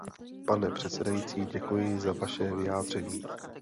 Pane předsedající, děkuji za vaše vyjádření.